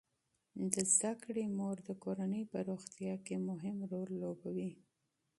د زده کړې مور د کورنۍ په روغتیا کې مهم رول لوبوي.